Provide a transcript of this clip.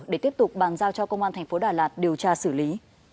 để tiếp tục bàn giao cho công an thành phố đà lạt điều tra xử lý